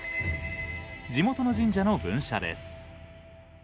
地元の神社の分社です。